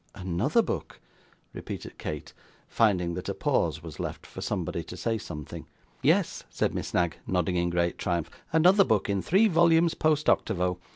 'Another book!' repeated Kate, finding that a pause was left for somebody to say something. 'Yes,' said Miss Knag, nodding in great triumph; 'another book, in three volumes post octavo.